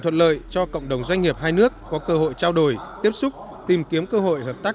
thuận lợi cho cộng đồng doanh nghiệp hai nước có cơ hội trao đổi tiếp xúc tìm kiếm cơ hội hợp tác